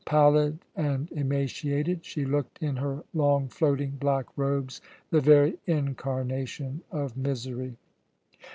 Pallid and emaciated, she looked in her long, floating black robes the very incarnation of misery.